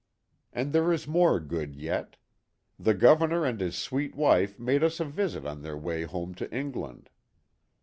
And there is more good yet. The Governor and his sweet wife made us a visit on their way home to England.